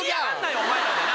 お前らで！